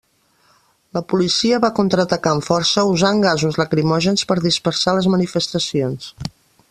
La policia va contraatacar amb força, usant gasos lacrimògens per dispersar les manifestacions.